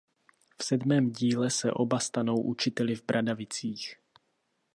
V sedmém díle se oba stanou učiteli v Bradavicích.